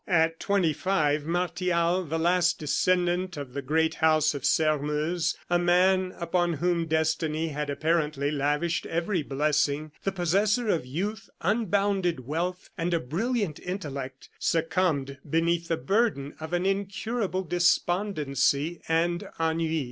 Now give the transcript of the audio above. At twenty five, Martial, the last descendant of the great house of Sairmeuse a man upon whom destiny had apparently lavished every blessing the possessor of youth, unbounded wealth, and a brilliant intellect, succumbed beneath the burden of an incurable despondency and ennui.